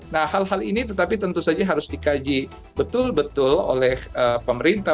nah hal hal ini tetapi tentu saja harus dikaji betul betul oleh pemerintah